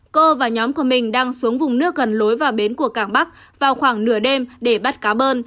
cô và nhóm của mình đang xuống vùng nước gần lối vào bến của cảng bắc vào khoảng nửa đêm để bắt cá bơn